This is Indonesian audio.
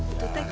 itu teh gansi